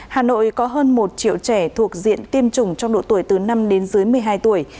hà nội có hơn một triệu trẻ thuộc diện tiêm chủng trong độ tuổi từ năm đến dưới một mươi hai tuổi